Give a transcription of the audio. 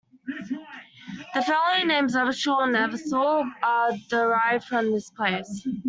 The family names "Evershaw" and "Eversaw" are derived from this place.